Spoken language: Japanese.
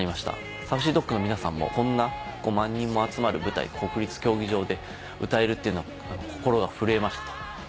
ＳａｕｃｙＤｏｇの皆さんも「こんな５万人も集まる舞台国立競技場で歌えるっていうのは心が震えました」というところで。